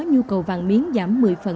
nhu cầu vàng miếng giảm một mươi